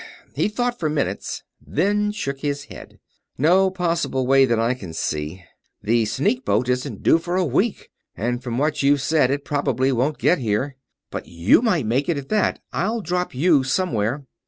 He thought for minutes, then shook his head. "No possible way out that I can see. The sneak boat isn't due for a week, and from what you've said it probably won't get here. But you might make it, at that. I'll drop you somewhere...."